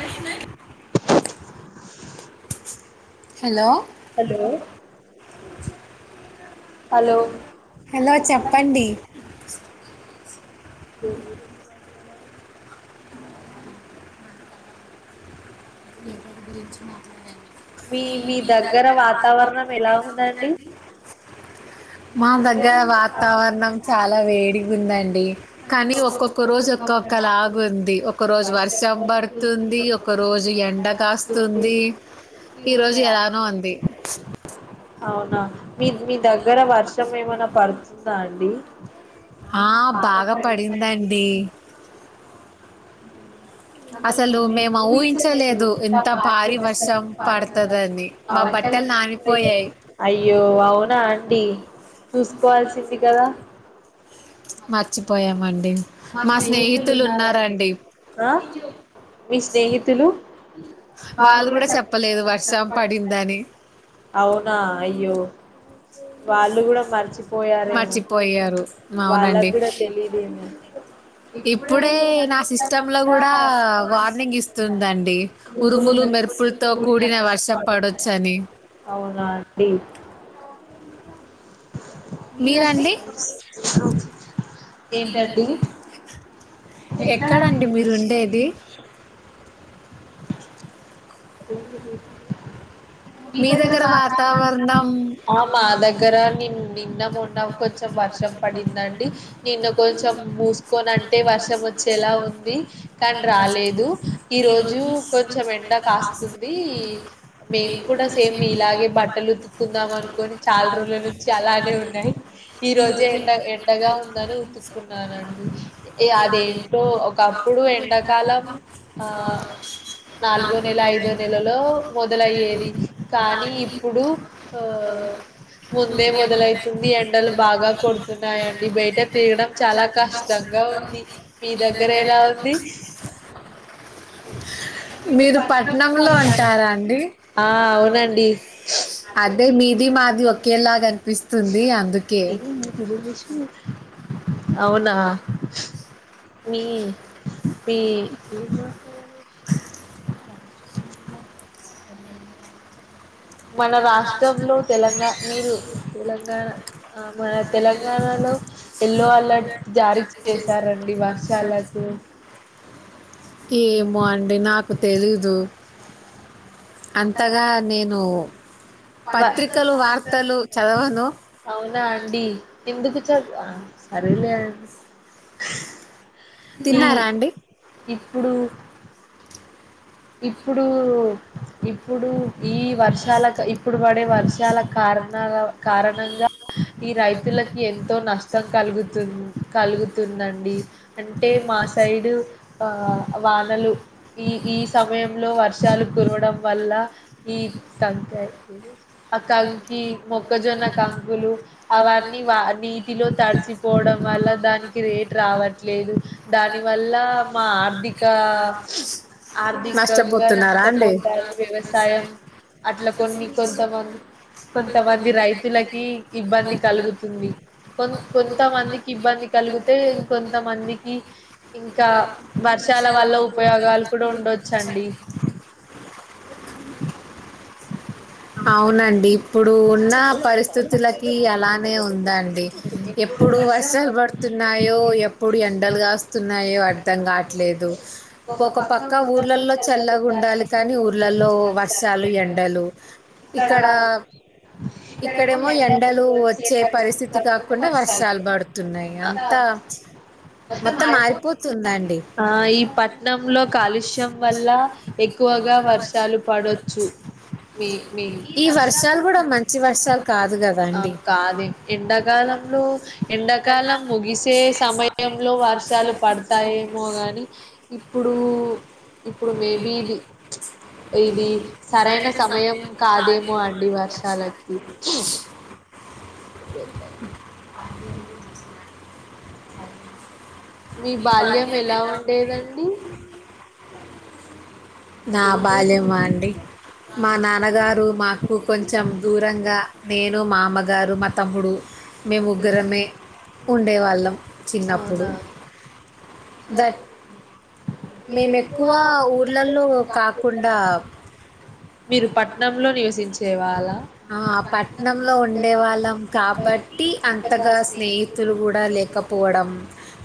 Krishnan hello hello hello hello చెప్పండి మ [inaudible] మీ దగ్గర వాతావరణం ఎలా ఉందండి మా దగ్గర వాతావరణం చాలా వేడిగా ఉందండి, కానీ ఒక్కొక్క రోజు ఒక్కొక్కలాగ ఉంది ఒక్క రోజు వర్షం బడుతుంది ఒక్క రోజు రోజు ఎండ కాస్తుంది ఈ రోజు ఎలానో ఉంది అవున మీ మీ దగ్గర వర్ష వర్షం ఏమనన్నా పడుతుందా అండి ఆ బాగ పడిందండి అసలు మేము ఊహించలేదు ఇంత భారీ వర్షం పడుతుందని మా బట్టలు నానిపోయాయి అయ్యో అవునా అండి చూసుకోవాల్సింది కదా మర్చిపోయా అండీ మా స్నేహితులున్నారండీ మీ స్నేహితులు బా వాళ్ళు కూడా చెప్పలేదు వర్షం పడిందని అవునా అయ్యో వాళ్ళు కూడ మర్చిపోయారేమో మర్చిపోయారు వాళ్ళకు అవునండి. కూడ తెలిదేమో ఇప్పుడే నా సిస్టమ్‌లో గూడా వార్నింగ్ ఇస్తుందండి. ఉరుములు, మెరుపులతో కూడిన వర్షం పడొచ్చని. అవునా అండి మీరండి ఏంటండీ ఎక్కడండి మీరు ఉండేది ఏ మీ దగ్గర అవున వాతావరణం మా దగ్గర నిన్న నిన్న మొన్న కొంచెం వర్షం పడిందండి. నిన్న కొంచెం మూసుకొని అంటే వర్షం వచ్చేలా ఉంది కానీ రాలేదు. ఈ రోజు కొంచెం ఎండ కాస్తుంది. కూడా సేమ్ ఇలాగే బట్టలు ఉతుక్కుందాం అనుకొని చాలా రోజుల నుంచి అలానే ఉన్నాయి. ఈ రోజే ఎండ ఎండగా ఉందని ఉతుక్కున్నానండి. అదేంటో ఒకప్పుడు ఎండాకాలం ఆ నాలుగో నెల ఐదో నెలలో మొదల లయ్యేది. కానీ ఇప్పుడు ఆ ముందే మొదలైతుంది. ఎండలు బాగా కొడుతున్నాయండి. బయట తిరాగాడం చాలా కష్టంగా ఉంది. మీ దగ్గర ఎలా ఉంది. మీరు పట్నంలో ఉంటారా అండి. ఆ అవునండి అదే మీది మాది ఒకేలాగ అనిపిస్తుంది. అందుకే అవునా మీ మీ అ మన రాష్ట్రంలో తెలంగాణ మీరు తెలంగాణ ఆ మన తెలంగాణలో ఎల్లో అలర్ట్ జారీ చేశారండి వర్షాలకు ఏమో అండి నాకు తెలీదు. అంతగా నేను పత్రికలు, వార్తలు చదవను. అవునా అండి. ఎందుకు చ ఆ సరలే అండి తిన్నారా అండి. ఇప్పుడు ఇప్పుడు ఇప్పుడు ఈ వర్షాలకు ఇప్పుడు పడే వర్షాల కారణాల కారణంగా ఈ రైతులకి ఎంతో నష్టం కలుగుతుం కలుగుతుందండి. అంటే మా సైడు వానలు ఈ ఈ సమయంలో వర్షాలు కురవడం వల్ల ఈ కంకి ఆ కంకి మొక్కజొన్న కంకులు అవన్నీ వా నీటిలో తడిసిపోవడం వల్ల దానికి రేట్ రావట్లేదు. దాని వల్ల మా ఆర్థిక ఆర్థికంగా నష్టపోతారు వ్యవసాయం అట్లా కొన్ని కొంతమంది కొంతమంది రైతులకి ఇబ్బంది కలుగుతుంది. కొ కొంత మందికి ఇబ్బంది కలిగితే ఇం కొంత మందికి ఇంకా వర్షాల వల్ల ఉపయోగాలు ఉండొచ్చండి అవునండి ఇప్పుడు ఉన్న పరిస్థితులకి అలానే ఉందండి ఎప్పుడు వర్షాలు పడుతున్నాయో ఎప్పుడు ఎండలుగాస్తున్నాయో అర్ధం కావట్లేదు ఒక పక్క ఊర్లలో చల్లగా ఉండాలి కానీ ఊర్లలో వర్షాలు ఎండలు ఇక్కడ ఇక్కడేమో ఎండలు వచ్చే పరిస్థితి కాకుండా వర్షాలు పడుతున్నాయి. అంతా మొత్తం మారిపోతుందండి. ఈ పట్నంలో కాలుష్యం వల్ల ఎక్కువగా వర్షాలు పడొచ్చు మే మేబి ఈ వర్షాలు కూడా మంచి వర్షాలు కాదు ఆ కదండీ. కాదే ఎండాకాలంలో ఎండాకాలం ముగిసే సమయంలో వర్షాలు పడతాయేమో గాని ఇప్పుడు ఇప్పుడు మేబి ఇది ఇది సరైన సమయం కాదేమో అండి వర్షాలకి అ [inaudible] మీ బాల్యం ఎలా ఉండేదండి నా బాల్యమా అండి మా నాన్నగారు మాకు కొంచెం దూరంగా నేను మా అమ్మగారు మా తమ్ముడు మేము ముగ్గురమే ఉండేవాళ్ళం చిన్నప్పుడు అవునా దట్ మేము ఎక్కువ ఊర్లల్లో కాకుండా మీరు పట్నంలో నివసించే వాళ్ళా ఆ పట్నం లో ఉండే వాళ్ళం కాబట్టి టి అంతగా స్నేహితులు కూడా లేక పోవడం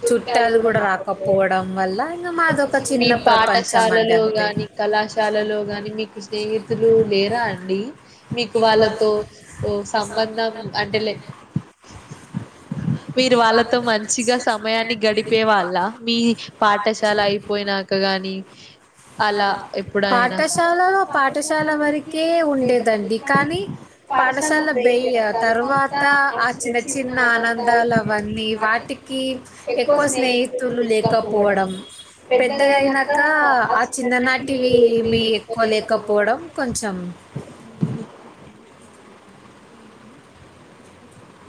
చుట్టాలు కూడా రాకపోవడం వల్ల మా [unintelligible] మీ పాఠశాలలో గాని కళాశాలలో గాని మీకు స్నేహితులు లేరా అండి మీకు వాళ్ళతో సంబంధం అంటే లే మీరు వాళ్ళతో మంచిగా సమయాన్ని గడిపే వాళ్ళ మీ పాఠశాల అయిపోయినాక గాని అలా ఎప్పుడైనా పాఠశాలలో పాఠశాల వరకే ఉండేదండి కానీ పాఠశాల బెయ తర్వాత ఆ చిన్న చిన్న ఆనందాలు అవన్నీ వాటికి ఎక్కువ స్నేహితులు లేకపోవడం పెద్దగాయినాక ఆ చిన్ననాటివి ఎక్కువ లేకపోవడం కొంచెం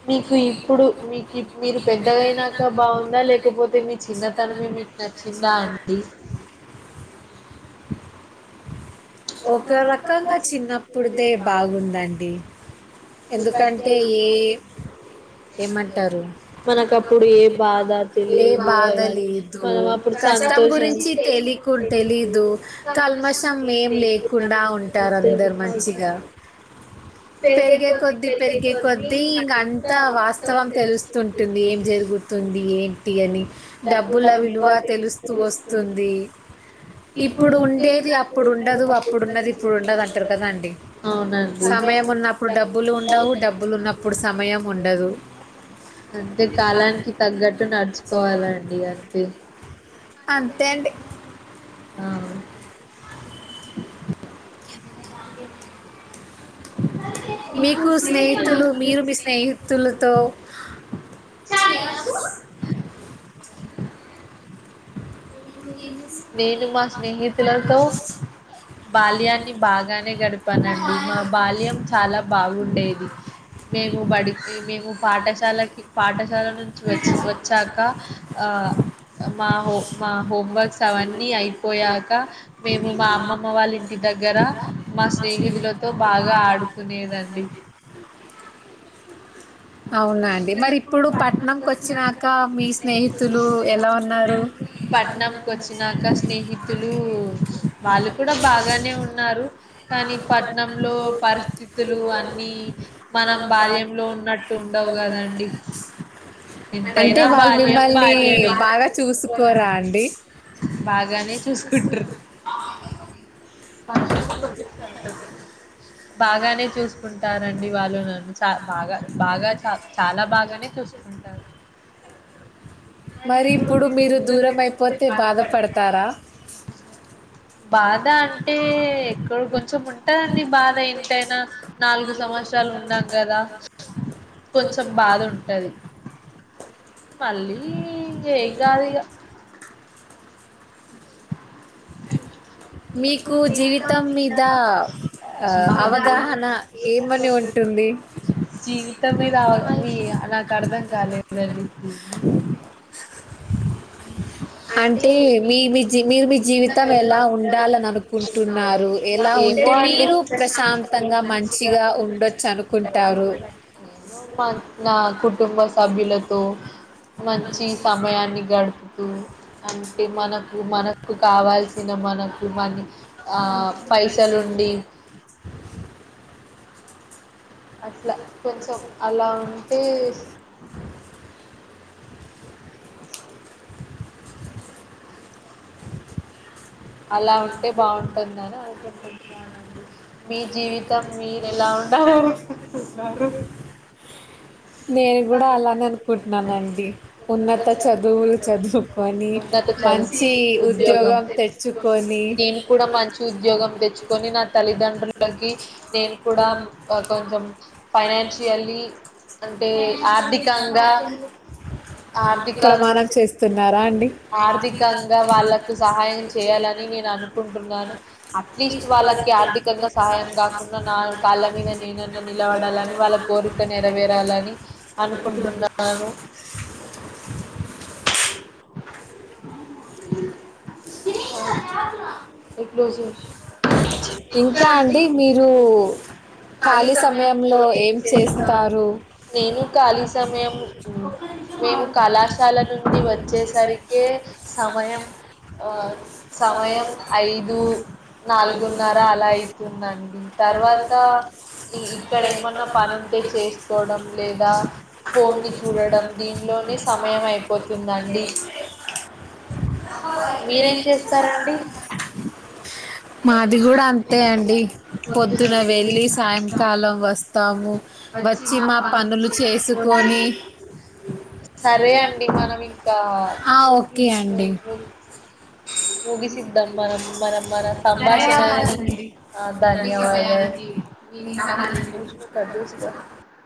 మీకు ఇప్పుడు మీకు మీరు పెద్దగైనాక బాగుందా లేకపోతే మీ చిన్నతనమే మీకు నచ్చిందా అండి ఒక రకంగా చిన్నప్పుడిదే బాగుందండి ఎందుకంటే ఏ ఏమంటారు మనకు అప్పుడు ఏ బాధ ఏ తెలియదు బాధ అవన్నీ లేదు మనం అప్పుడు కష్టం సంతోషం గురించి తెలికు తెలిదు కల్మషం తకుండా ఉంటారు అందరు అంతే మంచిగా పెరిగే కొద్దీ పెరిగే కొద్దీ ఇంక అంత వాస్తవం తెలుస్తుంటుంది ఏం జరుగుతుంది ఏంటి అని డబ్బుల విలువ తెలుస్తూ వస్తుంది ఇప్పుడు ఉండేది అప్పుడు ఉండే ఉండదు అప్పుడున్నది ఇప్పుడు ఉండదు అంటారు కదా అండి సమయం ఉన్నప్పుడు సమయం ఉన్న డబ్బులు సమయం ఉండదు అంతే కాలానికి తగ్గట్టు నడుచుకోవాలండి అంతే అంతేండి ఆ [inaudible] [inaudible] మీకు స్నేహితులు మీరు మీ స్నేహితులతో చాయ్కు నేను మా స్నేహితులతో బాల్యాన్ని బాగానే గడిపానండి మా బాల్యం చాలా బాగుండేది మేము బడికి మేము పాఠశాలకి పాఠశాల నుంచి వచ్చి వచ్చాక ఆ మా హో మా హోమ్వర్క్ అవన్నీ అయిపోయాక మేము మా అమ్మ అమ్మ వాళ్ళ ఇంటి దగ్గర మా స్నేహితులతో బాగా ఆడుకునేదండి అవునా అండి. మరి ఇప్పుడు పట్నంకొచ్చినాక మీ స్నేహితులు ఎలా ఉన్నారు? పట్నం కి వచినాక స్నేహి లు వాళ్ళు కూడా బాగానే ఉన్నాయి. ఉన్నారు కానీ పట్నంలో పరిస్థితులు అన్ని మనం బాల్యంలో ఉన్నట్టు ఉండవుగాదా అండి అంటే ఎంతైనా ఇప్పుడు వాళ్ళు వాళ్ళకి బాల్యం మిమ్మల్ని బాల్యంమే వాళ్ళు బాగా చూసుకోరా అండి? బానే చూసుకుటరు బాన్ గానే చూసుకుంటారంండి వాళ్ళు నన్ను చాల్ బాగా బాగా చ చాలా బాగానే చూసుకుంటారు మరి ఇప్పుడు మీరు దూరం అయిపోతే బాధపడతారా బాధ అంటే ఎక్కడ్ కొంచెం ఉంటదండి. బాధ ఏంతైనా నాలుగు సంవత్సరాలు ఉన్నాం గాదా. కొంచెం బాధ ఉంటది. మళ్ళీ ఏం కాదిగా మీకు ఆ జీవితం ఏంటి మీద ఆహ్, అవగాహన ఏమని ఉంటుంది? జీవితం మీద నాకు అర్థం కాలేదండి. అ అంటే మీ మీ జీవ్ మీరు మీ జీవితం ఎలా ఉండాలని అనుకుంటున్నారు. ఎలా ఉంటే మీరు ప్రశాంతంగా మంచిగా ఉండొచ్చు అనుకుంటారు. ఏమో మా నా కుటుంబ సభ్యులతో మంచి సమయాన్ని గడుపు కు అంటే మనకు మనకు కావాల్సిన మనకు మనీ ఆ పైసలుండి. అట్లా కొంచెం అలా ఉంటే అలా ఉంటే బాగుంటుందని అనుకుంటున్నానండి. మీ జీవితం మీరు ఎలా ఉండాలనుకుంటున్నారు. నేను కూడా అలానె అనుకుంట్ననండి. ఉన్నత చదువులు, చదువుకొని ఉన్నత చదువు మంచి ఉద్యోగం తెచ్ నేను కూడా మంచి ఉద్యోగం తెచ్చుకొని. నా తల్లిదండ్రులకి నేను కూడా కొంచెం ఫైనాన్షియల్లీ అంటే ఆర్థికంగా ఆర్థికంగా ప్రమాణం చేస్తున్నారా అండి. ఆర్థికంగా వాళ్ళకు సహాయం నేను అనుకుంటున్నాను. అట్లీస్ట్ వాళ్ళకి ఆర్థికంగా సహాయం కాకుండా. నా కాళ్ళ మీద నేనన్న నిలబడాలని వాళ్ళ కోరిక నరవేర్ ఉండాలని అనుకుంటున్నాను. ఎట్లోజర్ ఇంకా అండి మీరు ఖాళీ ఒక్కనిమిషం మేము కళాశాల నుండి వచ్చేసరికే సమయం అగు సమయం ఐదు, నాలుగున్నర అలా అయితుందండి. తర్వాత ఈ ఇక్కడ ఏమన్నా పని ఉంటే చేస్ కోడం. లేదా ఫోన్ ని చూడడం దీనిలోనే సమయం అయిపోతుందండి. మీరేం చేస్తారండి మాది గూడా అంతే అండి. పొద్దున వెళ్ళి సాయంకాలం వస్తాము. వచ్ సరే అండి మనం ఇంకా ఆ, ఓకే అండి ఓక్ ముగిసిద్దం. మనం మన మన సంభాషనా ధన్యవాదాలండి. ఆ ధన్యవాదాల్ మీ సహనానికి కట్ చేస్కో